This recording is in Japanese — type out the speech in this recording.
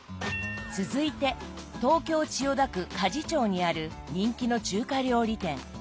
続いて東京千代田区鍛冶町にある人気の中華料理店。